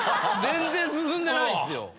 全然進んでないっすよ。